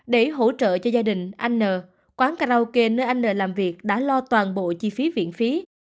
để hỗ trợ cho gia đình anh n quán karaoke nơi anh n làm việc đã lo toàn bộ chi phí viện phí